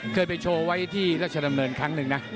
เคยไปโชว์ไว้ที่ราชดำเนินครั้งหนึ่งนะ